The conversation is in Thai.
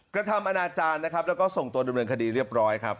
กระทำอนาจารย์นะครับแล้วก็ส่งตัวดำเนินคดีเรียบร้อยครับ